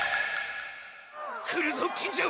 来るぞ金城！！